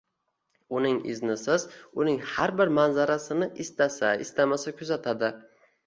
Uning iznisiz uning har bir manzarasini istasa-istamasa kuzatadi.